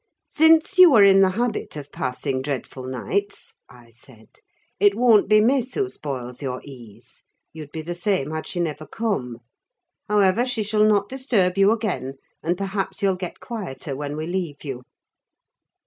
"Since you are in the habit of passing dreadful nights," I said, "it won't be Miss who spoils your ease: you'd be the same had she never come. However, she shall not disturb you again; and perhaps you'll get quieter when we leave you."